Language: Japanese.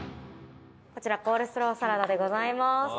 こちらコールスローサラダでございます。